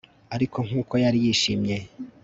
Ariko nkuko yari yishimye